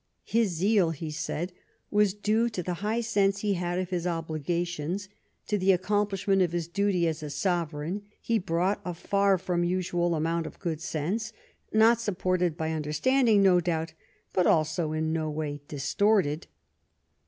" His zeal," he said, "was due to the high sense he had of his obligations ; to the accom phshment of his duty as a Sovereign he brought a far from usual amount of good sense, not supported by understanding, no doubt, but also in no way distorted."